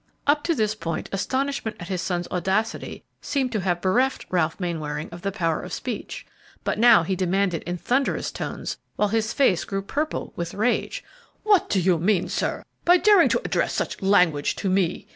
Up to this point, astonishment at his son's audacity seemed to have bereft Ralph Mainwaring of the power of speech, but now he demanded in thunderous tones, while his face grew purple with rage, "What do you mean, sir, by daring to address such language to me?